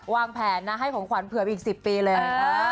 วางแผนนะให้ของขวัญเผื่อไปอีก๑๐ปีเลย